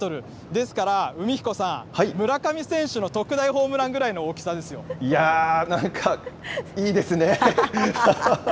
ですから、海彦さん、村上選手の特大ホームランぐらいの大きさでいやー、なんかいいですね。